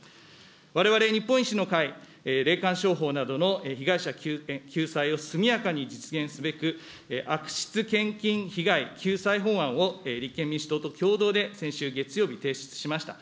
われわれ日本維新の会、霊感商法などの被害者救済を速やかに実現すべく、悪質献金被害救済法案を、立憲民主党と共同で先週月曜日、提出しました。